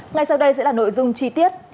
ngay sau đây sẽ là nội dung chi tiết